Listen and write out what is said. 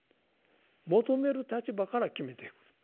求める立場から決めていく。